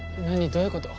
どういうこと？